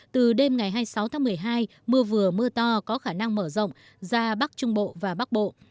từ đêm ngày hai mươi sáu tháng một mươi hai mưa vừa mưa to có khả năng mở rộng ra bắc trung bộ và bắc bộ